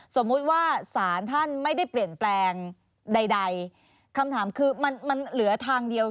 สมมุติว่าสารท่านไม่ได้เปลี่ยนแปลงใดคำถามคือมันมันเหลือทางเดียว